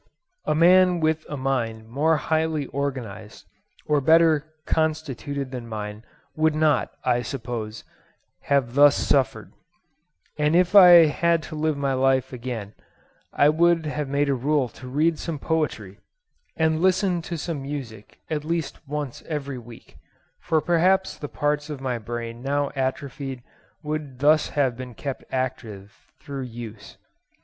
A man with a mind more highly organised or better constituted than mine, would not, I suppose, have thus suffered; and if I had to live my life again, I would have made a rule to read some poetry and listen to some music at least once every week; for perhaps the parts of my brain now atrophied would thus have been kept active through use.